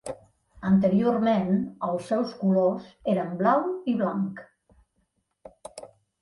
Anteriorment els seus colors eren blau i blanc.